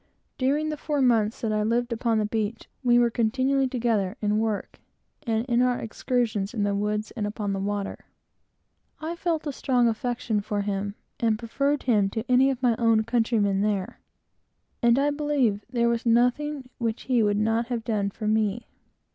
During the four months that I lived upon the beach, we were continually together, both in work, and in our excursions in the woods, and upon the water. I really felt a strong affection for him, and preferred him to any of my own countrymen there; and I believe there was nothing which he would not have done for me.